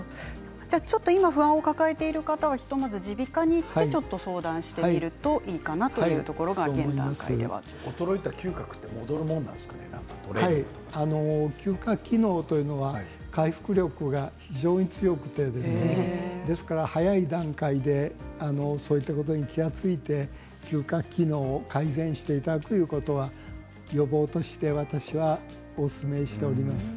今、不安を抱えている方はひとまず耳鼻科に行ってちょっと相談してみるといいかなというところが衰えた嗅覚がトレーニング嗅覚機能では回復力が非常に強くてですから早い段階でそういったことに気が付いて嗅覚機能を改善していただくということは予防として私はおすすめしております。